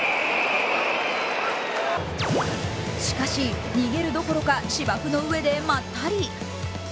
しかし、逃げるどころか、芝生の上でまったり。